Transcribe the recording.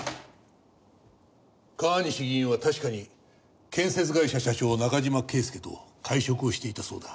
川西議員は確かに建設会社社長中島圭介と会食をしていたそうだ。